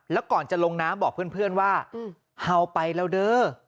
แล้วก่อนจะลงน้ำบอกเพื่อนว่าเฮาไปแล้วเด้อ